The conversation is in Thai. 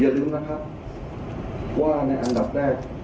อย่าลืมนะครับว่าในอันดับแรก